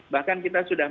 bahkan kita sudah